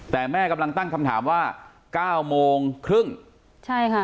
แต่แม่กำลังตั้งคำถามว่าเก้าโมงครึ่งใช่ค่ะ